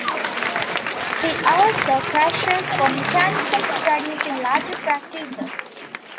See also crusher for mechanisms producing larger particles.